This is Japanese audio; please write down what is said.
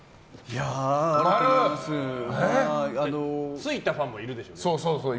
ついたファンもいるでしょうね。